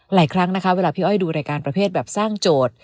หลายครั้งนะคะเวลาพี่อ้อยดูรายการประเภทแบบสร้างโจทย์